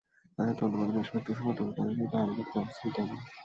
তদন্তের মাধ্যমে এসব ব্যক্তিকে শনাক্ত করে তাঁদের বিরুদ্ধে আইনগত ব্যবস্থা নিতে হবে।